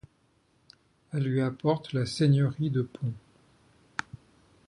Elle lui apporte la seigneurie de Ponts.